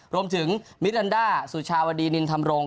รวมถึงมิลลันด้าสุชาวดีนินธรรมรงค์